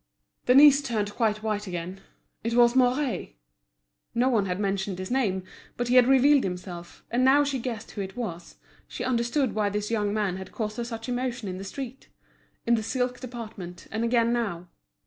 Denise turned quite white again. It was Mouret; no one had mentioned his name, but he had revealed himself, and now she guessed who it was, she understood why this young man had caused her such emotion in the street, in the silk department, and again now.